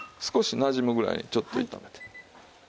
少しなじむぐらいにちょっと炒めて。